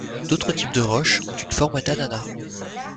D'autres types de roches ont une forme d'ananas.